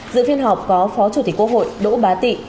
dự phiên họp có phó chủ tịch quốc hội đỗ bá tị